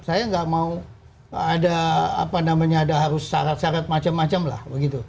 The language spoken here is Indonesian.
saya nggak mau ada apa namanya ada harus syarat syarat macam macam lah begitu